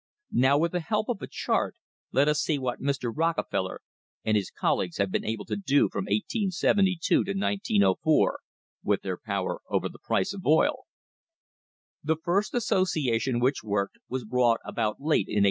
Now, with the help of the chart, let us see what Mr. Rockefeller and his colleagues have been able to do from 1872 to 1904 with their power over the price of oil. The first association which worked was brought about late in 1872.